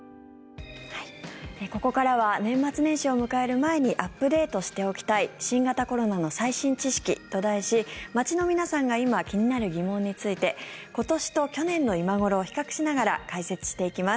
ここからは年末年始を迎える前にアップデートしておきたい新型コロナの最新知識と題し街の皆さんが今、気になる疑問について今年と去年の今頃を比較しながら解説していきます。